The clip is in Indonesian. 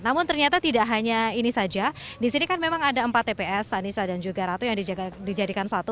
namun ternyata tidak hanya ini saja di sini kan memang ada empat tps anissa dan juga ratu yang dijadikan satu